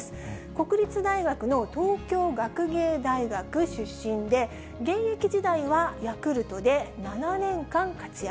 国立大学の東京学芸大学出身で、現役時代はヤクルトで７年間活躍。